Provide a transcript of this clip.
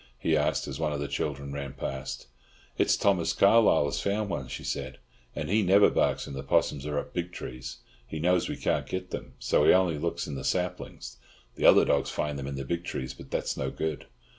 he asked as one of the children ran past. "It's Thomas Carlyle has found one," she said, "and he never barks when the 'possums are up big trees. He knows we can't get them then, so he only looks in the saplings. The other dogs find them in the big trees, but that's no good."